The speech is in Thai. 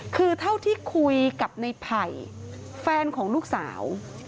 คือเท่าที่คุยกับในไผ่แฟนของลูกสาว